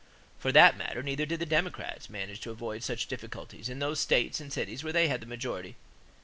For that matter neither did the Democrats manage to avoid such difficulties in those states and cities where they had the majority.